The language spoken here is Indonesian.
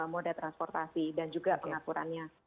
moda transportasi dan juga pengaturannya